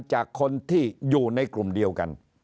จากคนที่อยู่ในกลุ่มเดียวกัน